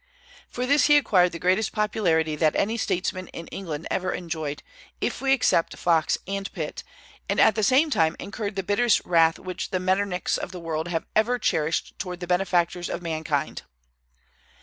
For this he acquired the greatest popularity that any statesman in England ever enjoyed, if we except Fox and Pitt, and at the same time incurred the bitterest wrath which the Metternichs of the world have ever cherished toward the benefactors of mankind.